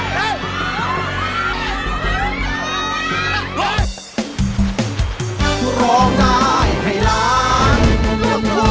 สวัสดีครับ